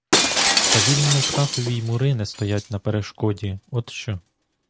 Та вільному птахові й мури не стоять на перешкоді, от що!